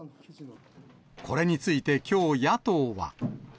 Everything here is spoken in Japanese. これについてきょう、野党は。